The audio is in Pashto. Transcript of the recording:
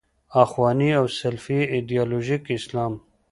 اخواني او سلفي ایدیالوژیک اسلام.